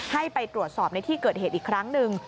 ให้ไปตรวจสอบในที่เกิดเหตุอีกครั้งหนึ่ง